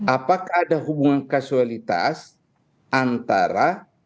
apakah ada hubungan kasualitas antara